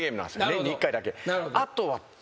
年に１回だけ。